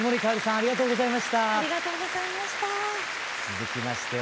ありがとうございます。